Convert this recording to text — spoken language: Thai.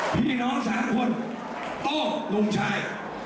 พี่น้องสามคนโต้ลุงชาย